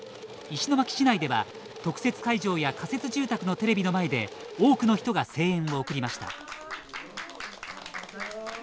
石巻市内では特設会場や仮設住宅のテレビの前で多くの人が声援を送りました。